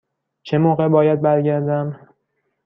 چه موقع باید برگردم؟